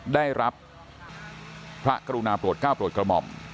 ได้รับพระกรุณาโปรดก้าวโปรดกระหม่อม